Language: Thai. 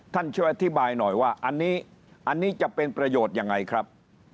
ท่านเชิญอธิบายหน่อยว่าอันนี้จะเป็นประโยชน์ยังไงครับ